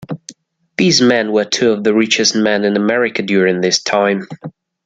These men were two of the richest men in America during this time.